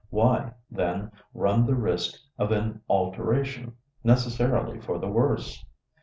Why, then, run the risk of an alteration, necessarily for the worse?